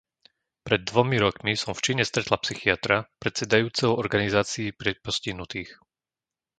Pred dvomi rokmi som v Číne stretla psychiatra predsedajúceho organizácii pre postihnutých.